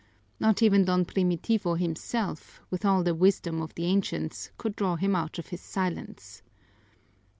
Not even Don Primitivo himself, with all the wisdom of the ancients, could draw him out of his silence.